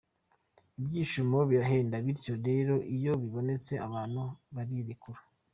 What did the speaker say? Ibyishimo birahenda bityo rero iyo bibonetse abantu barirekura.